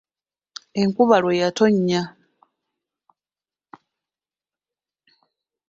Enkuba lwe yatonnya.